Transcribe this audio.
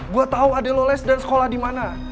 gue tau adek lo les dan sekolah dimana